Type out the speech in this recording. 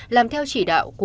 làm theo chỉ đạo của bị cáo